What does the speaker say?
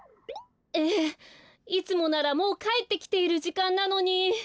ええいつもならもうかえってきているじかんなのに。